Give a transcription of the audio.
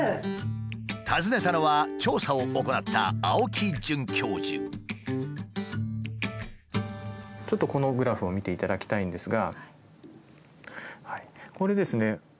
訪ねたのは調査を行ったちょっとこのグラフを見ていただきたいんですが。